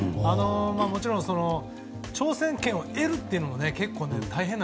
もちろん、挑戦権を得るっていうのも結構大変な。